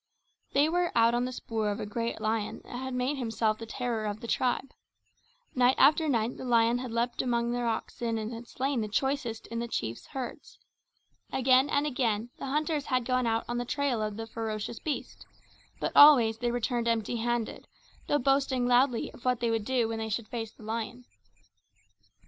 They were out on the spoor of a great lion that had made himself the terror of the tribe. Night after night the lion had leapt among their oxen and had slain the choicest in the chief's herds. Again and again the hunters had gone out on the trail of the ferocious beast; but always they returned empty handed, though boasting loudly of what they would do when they should face the lion.